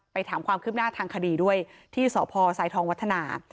ถามความคืบหน้าทางคดีด้วยที่สพสายทองวัฒนา